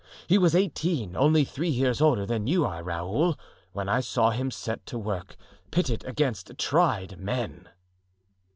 He was eighteen, only three years older than you are, Raoul, when I saw him set to work, pitted against tried men."